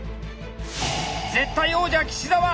絶対王者岸澤。